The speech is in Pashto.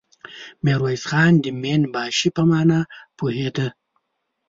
ميرويس خان د مين باشي په مانا پوهېده.